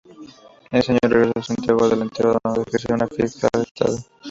Ese año regresó a Santiago del Estero, donde ejerció como fiscal de estado.